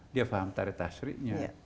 dia paham tarihtashriknya